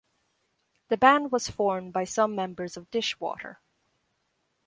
The band was formed by some members of Dishwater.